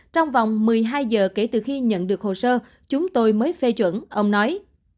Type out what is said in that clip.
trong vòng một mươi hai giờ kể từ khi nhận được hồ sơ chúng tôi mới phê chuẩn ông nói